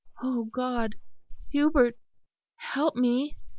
Oh! God Hubert, help me."